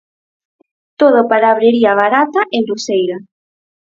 Todo palabrería barata e groseira.